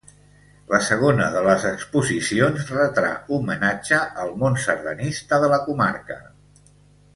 La segona de les exposicions retrà homenatge al món sardanista de la comarca.